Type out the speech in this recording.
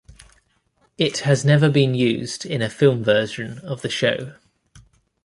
It has never been used in a film version of the show.